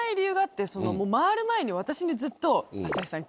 回る前に私にずっと「朝日さん